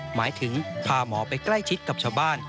หมายถึงพาหมอไปใกล้ชิดกับชาวบ้าน